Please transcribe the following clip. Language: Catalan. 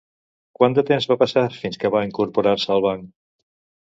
Quant de temps va passar fins que va incorporar-se al banc?